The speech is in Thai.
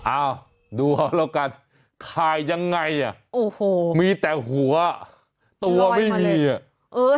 อ้าวดูเอาแล้วกันถ่ายยังไงอ่ะโอ้โหมีแต่หัวตัวไม่มีอ่ะเออ